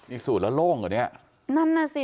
อีกสูตรแล้วโล่งกว่านี้